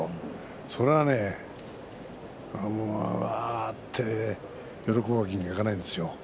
それはもう喜ぶわけにはいかないですよ。